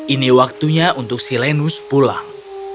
ini waktunya untuk silenus pulang